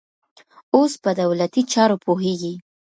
اوس په دولتي چارو پوهېږي.